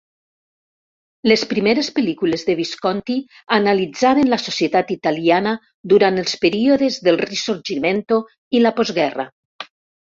Les primeres pel·lícules de Visconti analitzaven la societat italiana durant els períodes del Risorgimento i la postguerra.